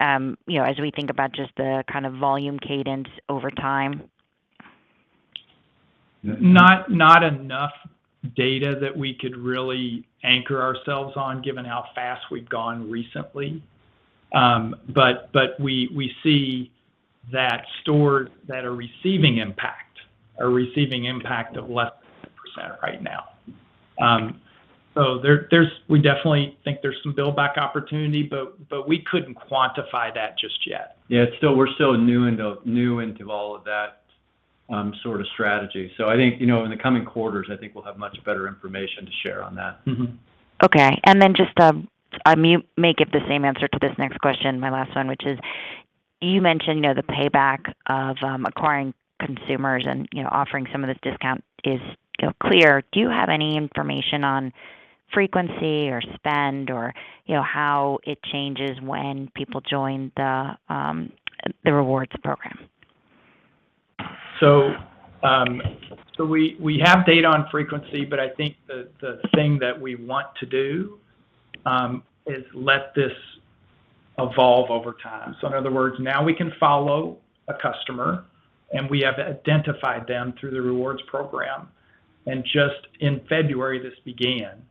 you know, as we think about just the kind of volume cadence over time? Not enough data that we could really anchor ourselves on given how fast we've gone recently. We see that stores that are receiving impact are receiving impact of less than 1% right now. We definitely think there's some build back opportunity, but we couldn't quantify that just yet. We're still new into all of that sort of strategy. I think, you know, in the coming quarters, I think we'll have much better information to share on that. Mm-hmm. Okay. Just, you may give the same answer to this next question, my last one, which is, you mentioned, you know, the payback of acquiring consumers and, you know, offering some of this discount is, you know, clear. Do you have any information on frequency or spend or, you know, how it changes when people join the rewards program? We have data on frequency, but I think the thing that we want to do is let this evolve over time. In other words, now we can follow a customer, and we have identified them through the rewards program. Just in February, this began.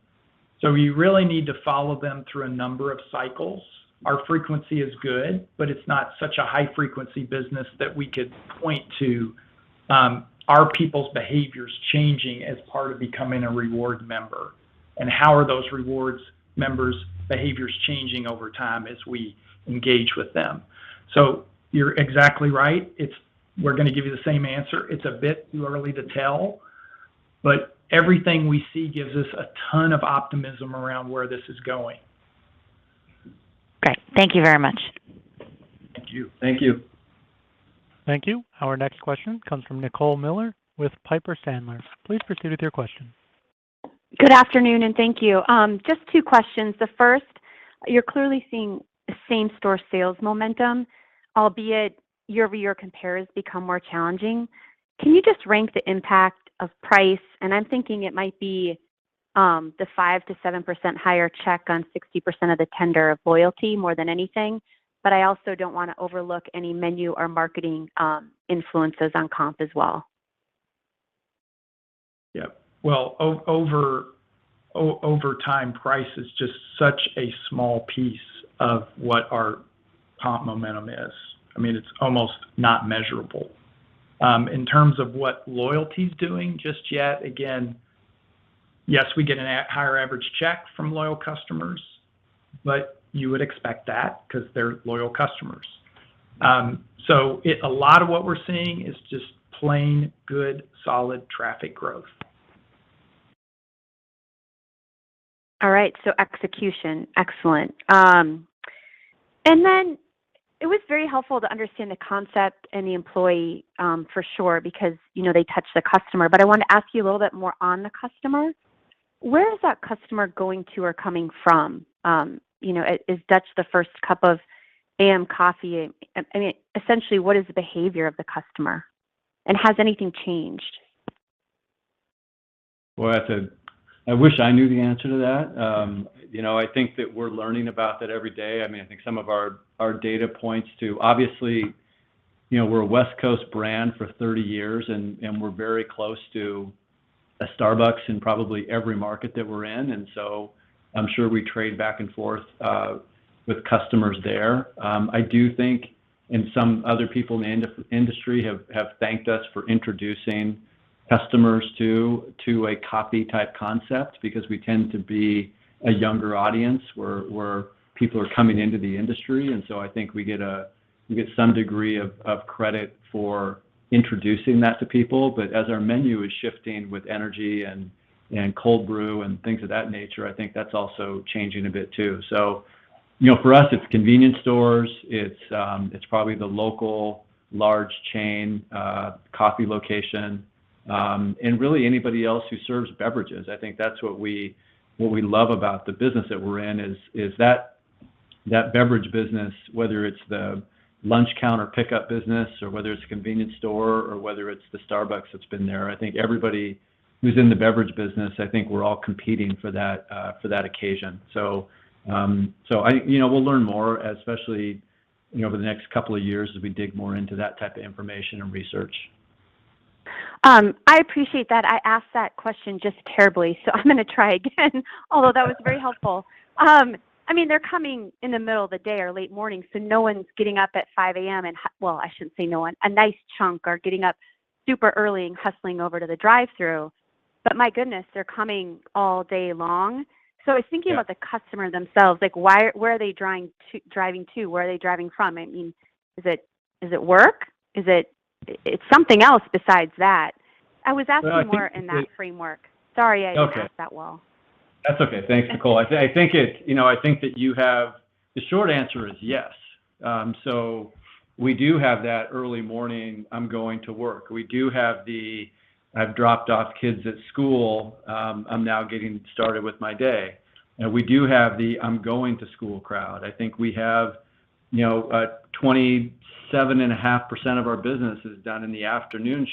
We really need to follow them through a number of cycles. Our frequency is good, but it's not such a high frequency business that we could point to. Are people's behaviors changing as part of becoming a reward member? How are those rewards members' behaviors changing over time as we engage with them? You're exactly right. We're gonna give you the same answer. It's a bit too early to tell, but everything we see gives us a ton of optimism around where this is going. Great. Thank you very much. Thank you. Thank you. Thank you. Our next question comes from Nicole Miller with Piper Sandler. Please proceed with your question. Good afternoon, and thank you. Just two questions. The first, you're clearly seeing same-store sales momentum, albeit year-over-year compares become more challenging. Can you just rank the impact of price? I'm thinking it might be the 5%-7% higher check on 60% of the tender of loyalty more than anything. I also don't wanna overlook any menu or marketing influences on comp as well. Well, over time, price is just such a small piece of what our comp momentum is. I mean, it's almost not measurable. In terms of what loyalty is doing just yet, again, yes, we get a higher average check from loyal customers, but you would expect that because they're loyal customers. So a lot of what we're seeing is just plain good, solid traffic growth. All right. Execution. Excellent. And then it was very helpful to understand the concept and the employee, for sure, because, you know, they touch the customer. But I wanted to ask you a little bit more on the customer. Where is that customer going to or coming from? You know, is Dutch the first cup of A.M. coffee? Essentially, what is the behavior of the customer, and has anything changed? Well, I wish I knew the answer to that. You know, I think that we're learning about that every day. I mean, I think some of our data points to obviously, you know, we're a West Coast brand for 30 years, and we're very close to a Starbucks in probably every market that we're in. I'm sure we trade back and forth with customers there. I do think, and some other people in the industry have thanked us for introducing customers to a coffee-type concept because we tend to be a younger audience, where people are coming into the industry. I think we get some degree of credit for introducing that to people. As our menu is shifting with energy and cold brew and things of that nature, I think that's also changing a bit too. So, you know, for us, it's convenience stores. It's probably the local large chain coffee location and really anybody else who serves beverages. I think that's what we love about the business that we're in is that beverage business, whether it's the lunch counter pickup business or whether it's a convenience store or whether it's the Starbucks that's been there. I think everybody who's in the beverage business, I think we're all competing for that for that occasion. So, so I, you know, we'll learn more, especially, you know, over the next couple of years as we dig more into that type of information and research. I appreciate that. I asked that question just terribly, so I'm gonna try again, although that was very helpful. I mean, they're coming in the middle of the day or late morning, so no one's getting up at 5 A.M. and well, I shouldn't say no one. A nice chunk are getting up super early and hustling over to the drive-thru. My goodness, they're coming all day long. I was thinking about the customer themselves, like, where are they driving to? Where are they driving from? I mean, is it work? It's something else besides that. I was asking more in that framework. Sorry I didn't ask that well. That's okay. Thanks, Nicole. I think that you have. The short answer is yes. We do have that early morning, 'm going to work." We do have the, "I've dropped off kids at school, I'm now getting started with my day. We do have the, I'm going to school crowd. I think we have, you know, 27.5% of our business is done in the afternoon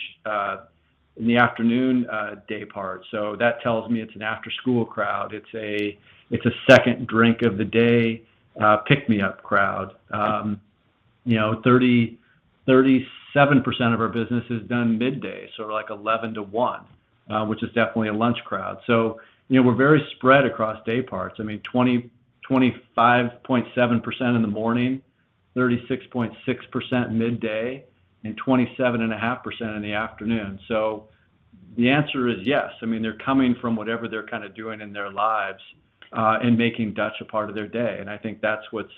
day part. That tells me it's an after-school crowd. It's a second drink of the day pick-me-up crowd. You know, 37% of our business is done midday, so like 11 to 1, which is definitely a lunch crowd. You know, we're very spread across day parts. I mean, 25.7% in the morning, 36.6% midday, and 27.5% in the afternoon. The answer is yes. I mean, they're coming from whatever they're kind of doing in their lives and making Dutch a part of their day, and I think that's what's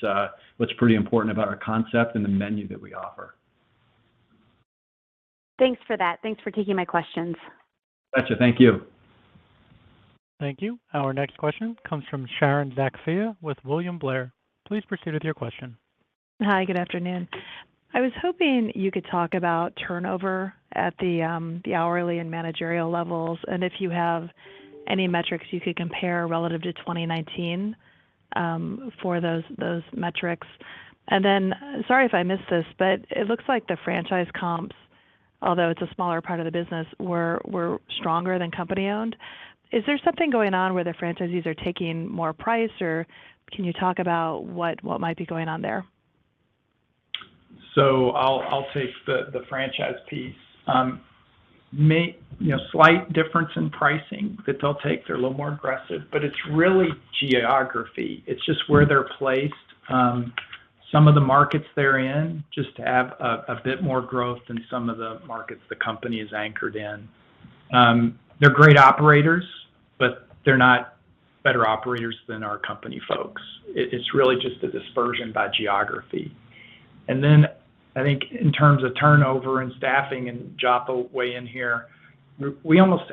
pretty important about our concept and the menu that we offer. Thanks for that. Thanks for taking my questions. Gotcha. Thank you. Thank you. Our next question comes from Sharon Zackfia with William Blair. Please proceed with your question. Hi, good afternoon. I was hoping you could talk about turnover at the hourly and managerial levels, and if you have any metrics you could compare relative to 2019 for those metrics. Sorry if I missed this, but it looks like the franchise comps, although it's a smaller part of the business, were stronger than company-owned. Is there something going on where the franchisees are taking more price, or can you talk about what might be going on there? I'll take the franchise piece. You know, slight difference in pricing that they'll take. They're a little more aggressive, but it's really geography. It's just where they're placed. Some of the markets they're in just have a bit more growth than some of the markets the company is anchored in. They're great operators, but they're not better operators than our company folks. It's really just a dispersion by geography. Then I think in terms of turnover and staffing, and Joth will weigh in here, we almost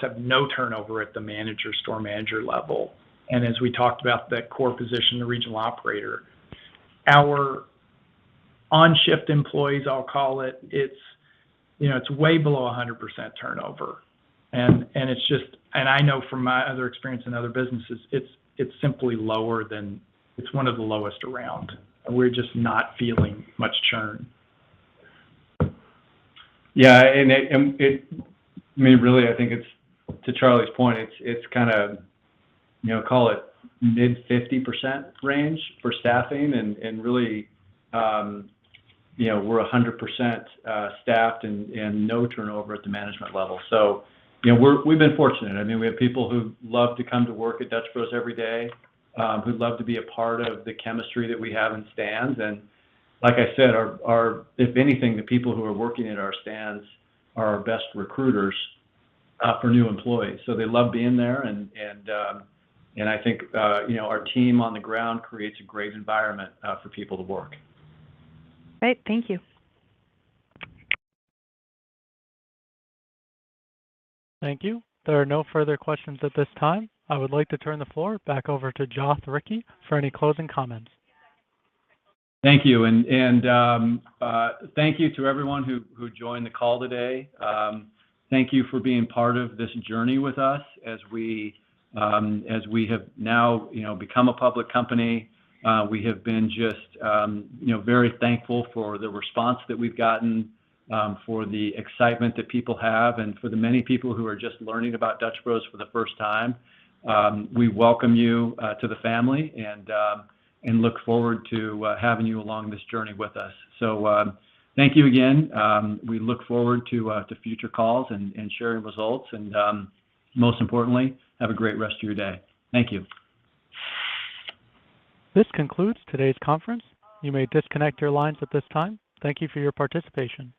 have no turnover at the manager, store manager level, and as we talked about, that core position, the regional operator. Our on-shift employees, I'll call it, you know, it's way below 100% turnover. I know from my other experience in other businesses, it's simply lower than it's one of the lowest around. We're just not feeling much churn. Yeah. It, I mean, really, I think it's to Charley's point, it's kinda, you know, call it mid-50% range for staffing and really, you know, we're 100% staffed and no turnover at the management level. You know, we've been fortunate. I mean, we have people who love to come to work at Dutch Bros every day, who love to be a part of the chemistry that we have in stands. Like I said, if anything, the people who are working at our stands are our best recruiters for new employees. They love being there and I think, you know, our team on the ground creates a great environment for people to work. Great. Thank you. Thank you. There are no further questions at this time. I would like to turn the floor back over to Joth Ricci for any closing comments. Thank you. Thank you to everyone who joined the call today. Thank you for being part of this journey with us as we have now, you know, become a public company. We have been just, you know, very thankful for the response that we've gotten for the excitement that people have. For the many people who are just learning about Dutch Bros for the first time, we welcome you to the family and look forward to having you along this journey with us. Thank you again. We look forward to future calls and sharing results, and most importantly, have a great rest of your day. Thank you. This concludes today's conference. You may disconnect your lines at this time. Thank you for your participation.